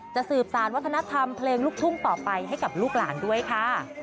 สืบสารวัฒนธรรมเพลงลูกทุ่งต่อไปให้กับลูกหลานด้วยค่ะ